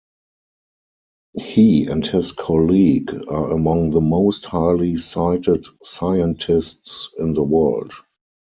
He and his colleague are among the most highly cited scientists in the world.